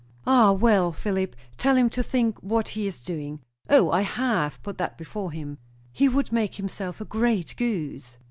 "Ah! Well, Philip, tell him to think what he is doing." "O, I have put that before him." "He would make himself a great goose."